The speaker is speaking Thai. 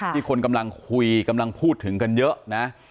ที่คนกำลังคุยกำลังพูดถึงกันเยอะนะ